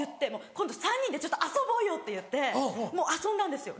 今度３人で遊ぼうよって言って遊んだんですよ。